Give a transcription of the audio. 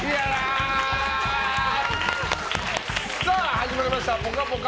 始まりました「ぽかぽか」